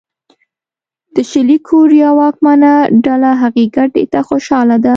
د شلي کوریا واکمنه ډله هغې ګټې ته خوشاله ده.